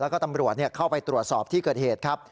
แล้วก็ตำรวจเข้าไปตรวจสอบที่เกิดเหตุครับ